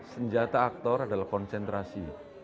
senjata aktor adalah konsentrasi